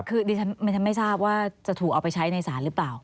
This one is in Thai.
คือดิฉันไม่ทราบว่าจะถูกเอาไปใช้ในศาลหรือเปล่า